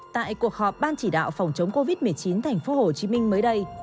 tại cuộc họp ban chỉ đạo phòng chống covid một mươi chín tp hcm mới đây